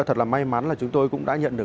thật là may mắn là chúng tôi cũng đã nhận được